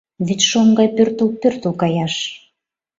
Вӱдшоҥ гай пӧртыл-пӧртыл каяш!